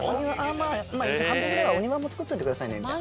まあ一応半分ぐらいはお庭も造っといてくださいねみたいな。